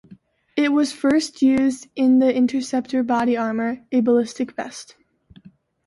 It was first used in the Interceptor body armor, a ballistic vest.